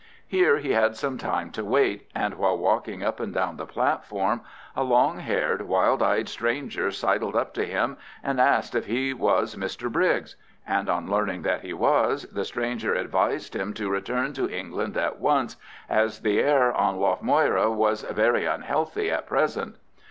Here he had some time to wait, and while walking up and down the platform a long haired wild eyed stranger sidled up to him and asked if he was Mr Briggs; and on learning that he was, the stranger advised him to return to England at once, as the air on Lough Moyra was very unhealthy at present.